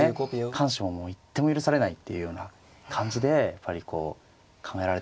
緩手ももう一手も許されないっていうような感じでやっぱりこう考えられてると思うんですよ。